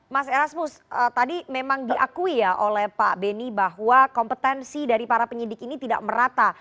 mas erasmus tadi memang diakui ya oleh pak beni bahwa kompetensi dari para penyidik ini tidak merata